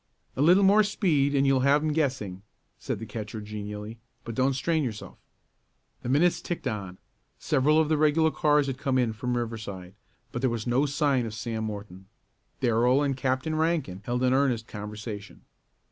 "A little more speed and you'll have 'em guessing," said the catcher genially. "But don't strain yourself." The minutes ticked on. Several of the regular cars had come in from Riverside but there was no sign of Sam Morton. Darrell and Captain Rankin held an earnest conversation.